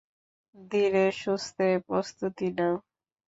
ধীরেসুস্থে প্রস্তুতী নাও।